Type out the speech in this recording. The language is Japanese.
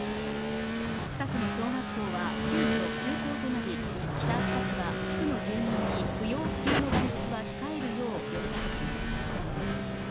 近くの小学校は急きょ休校となり、北秋田市は地区の住民に不要不急の外出は控えるよう呼び掛けています。